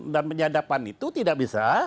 dan penyadapan itu tidak bisa